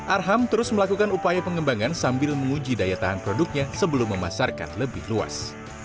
arham terus melakukan upaya pengembangan sambil menguji daya tahan produknya sebelum memasarkan lebih luas